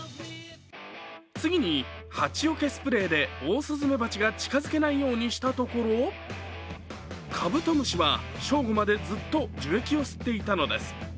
次に、ハチよけスプレーでオオスズメバチが近づけないようにしたところ、カブトムシは正午までずっと樹液を吸っていたのです。